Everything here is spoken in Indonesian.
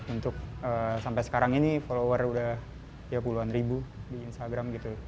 untuk sampai sekarang ini follower udah ya puluhan ribu di instagram gitu